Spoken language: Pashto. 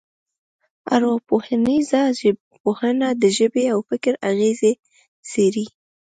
ارواپوهنیزه ژبپوهنه د ژبې او فکر اغېزې څېړي